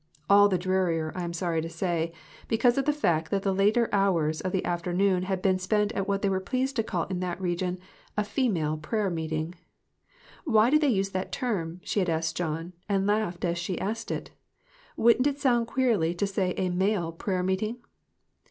All the drearier, I am sorry to say, because of the fact that the later hours of the afternoon had been spent at what they were pleased to call in that region, a "female" prayer meeting. "Why do they use that term ?" she had asked John, and laughed as she asked it. "Wouldn't it sound queerly to say a 'male' prayer meeting?"